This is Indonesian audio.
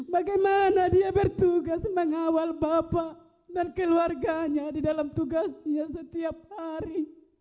bagaimana dia bertugas mengawal bapak dan keluarganya di dalam tugasnya setiap hari